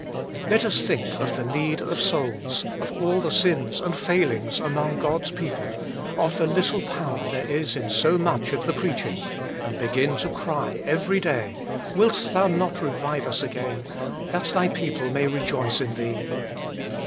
Let us think of the need of souls, of all the sins and failings among God s people, of the little power there is in so much of the preaching, and begin to cry every day, " Wilt Thou not revive us again, that Thy people may rejoice in Thee